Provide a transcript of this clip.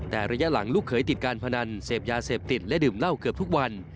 แต่ระยะหลังลูกเขยติดการพนันเสพยาเสพติดและดื่มเหล้าเกือบทุกวัน